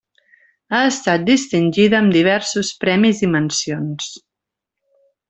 Ha estat distingida amb diversos premis i mencions.